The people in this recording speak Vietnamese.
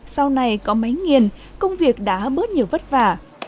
sau này có mấy nghiền công việc đã bớt nhiều vất vả